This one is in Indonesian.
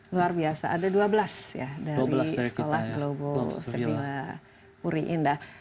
luar biasa ada dua belas ya dari sekolah global sevilla muriinda